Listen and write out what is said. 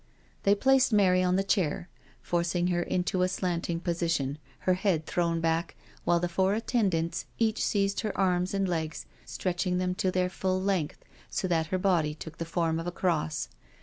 They placed Mary on the chair, forcing her into a slanting position, her head thrown back, while the four attendants each seized her arms and legs, stretching them to their full length, so that her body took the form of a cross.